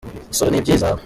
gusora nibyiza